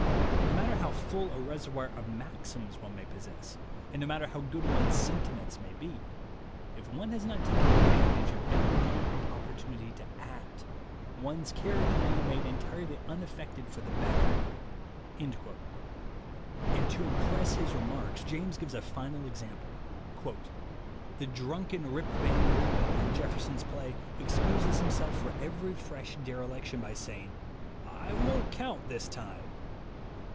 No matter how full a reservoir of maxims one may THE WAY TO WILL POWER 81 possess, and no matter how good one's sentiments may be, if one has not taken advantage of every con crete opportunity to act, one's character may remain entirely unaffected for the better." And to impress his remarks, James gives a final example : "The drunken Rip Van Winkle, in Jeffer son's play, excuses himself for every fresh derelic tion by saying, 'I won't count this time!'